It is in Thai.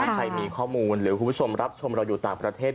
ใครมีข้อมูลหรือคุณผู้ชมรับชมเราอยู่ต่างประเทศ